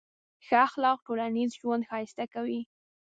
ښه اخلاق ټولنیز ژوند ښایسته کوي.